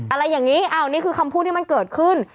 อะไรอย่างนี้นี่คือคำพูดที่มันเกิดขึ้น